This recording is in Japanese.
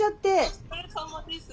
「お疲れさまです」。